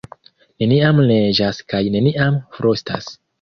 Neniam neĝas kaj neniam frostas.